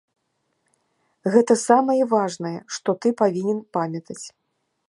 Гэта самае важнае, што ты павінен памятаць.